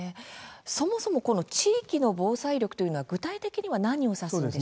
そもそもこの地域の防災力というのは具体的には何を指すんでしょう？